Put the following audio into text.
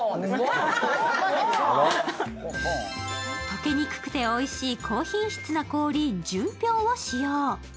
溶けにくくておいしい高品質な氷・純氷を使用。